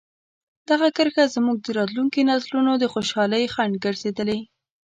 دغه کرښه زموږ د راتلونکي نسلونو د خوشحالۍ خنډ ګرځېدلې.